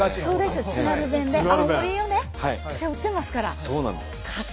青森をね背負ってますから。